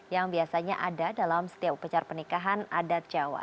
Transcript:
yang biasanya ada dalam setiap upecat pernikahan adat jawa